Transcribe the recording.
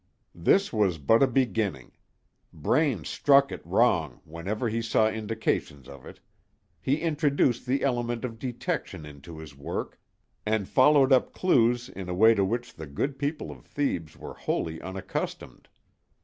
This was but a beginning. Braine struck at wrong whenever he saw indications of it. He introduced the element of detection into his work, and followed up clews in a way to which the good people of Thebes were wholly unaccustomed.